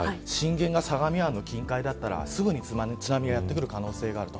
震源が相模湾の近海だったらすぐに津波がやってくる可能性がある。